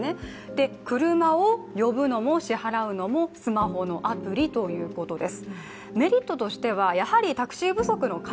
で、車を呼ぶのも支払うのもスマホのアプリということです。